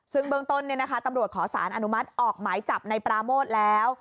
ซึ่งเบื้องต้นตำรวจขอสารอนุมัติออกหมายจับในปราโมทแล้ว